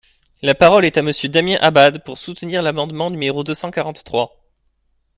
La parole est à Monsieur Damien Abad, pour soutenir l’amendement numéro deux cent quarante-trois.